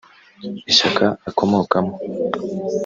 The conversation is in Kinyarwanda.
Ishyaka akomokamo